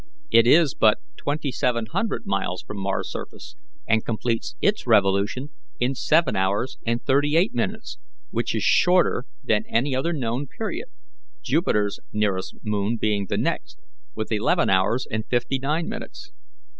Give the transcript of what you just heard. It is but twenty seven hundred miles from Mars's surface, and completes its revolution in seven hours and thirty eight minutes, which is shorter than any other known period, Jupiter's nearest moon being the next, with eleven hours and fifty nine minutes.